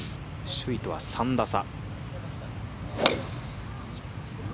首位とは３打差。